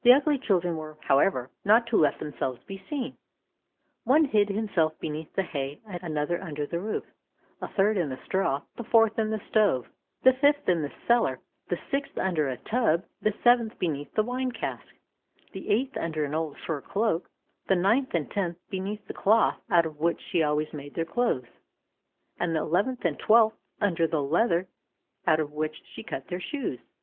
The ugly children were, however, not to let themselves be seen. One hid himself beneath the hay, another under the roof, a third in the straw, the fourth in the stove, the fifth in the cellar, the sixth under a tub, the seventh beneath the wine cask, the eighth under an old fur cloak, the ninth and tenth beneath the cloth out of which she always made their clothes, and the eleventh and twelfth under the leather out of which she cut their shoes.